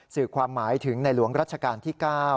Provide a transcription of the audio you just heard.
สื่อความหมายถึงในหลวงรัชกาลที่๙